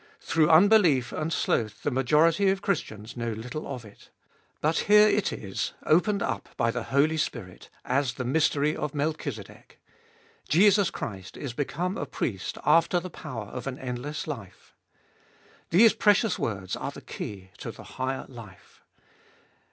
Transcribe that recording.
Through unbelief and sloth the majority of Christians know little of it. But here it is, opened up by the Holy Spirit, as the mystery of Melchizedek. Jesus Christ is become a Priest after the power of an endless life. These precious words are the key to the higher life.